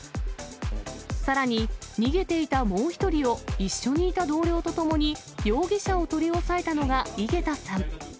さらに、逃げていたもう一人を、一緒にいた同僚と共に容疑者を取り押さえたのが井桁さん。